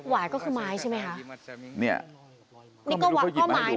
หวายก็คือไม้ใช่ไหมฮะ